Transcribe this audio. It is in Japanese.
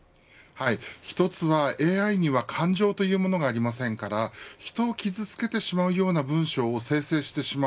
１つはＡＩには感情というものがありませんから人を傷付けてしまうような文章を生成してしまう